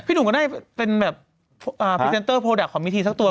พี่หนุ่มก็ได้เป็นแบบพรีเซนเตอร์โพรดักคอมมิทีสักตัว